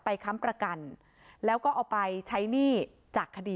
พอท็อปเรียนจบก็ไปทำธุรกิจหลายอย่าง